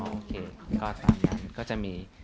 โอเคก็ตามยันก็จะมี